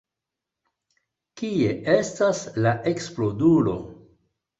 Kie estas la eksplodulo?